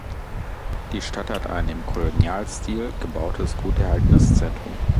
Die Stadt hat ein im Kolonialstil gebautes gut erhaltenes Zentrum.